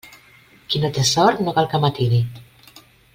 Qui no té sort, no cal que matine.